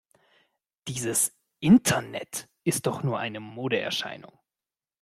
Dieses Internet ist doch nur eine Modeerscheinung!